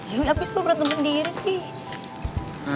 ya apa sih lo berantem sendiri sih